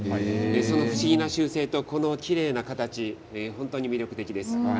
その不思議な習性とこのきれいな形本当に魅力的です。